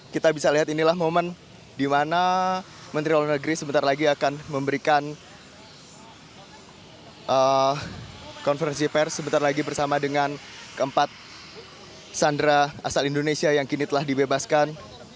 kita bisa lihat inilah momen di mana menteri luar negeri sebentar lagi akan memberikan konferensi pers sebentar lagi bersama dengan keempat sandera asal indonesia yang kini telah dibebaskan